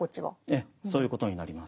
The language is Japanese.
ええそういうことになります。